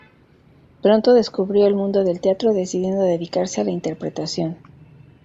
Pronto descubrió el mundo del teatro, decidiendo dedicarse a la interpretación.